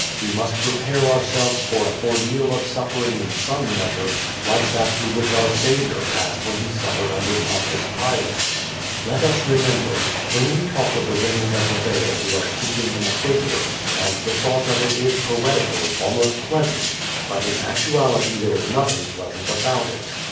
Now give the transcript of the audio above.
We must prepare ourselves for an ordeal of suffering in some measure like that through which our Saviour passed when He suffered under Pontius Pilate. Let us remember: when we talk of the rending of the veil we are speaking in a figure, and the thought of it is poetical, almost pleasant; but in actuality there is nothing pleasant about it.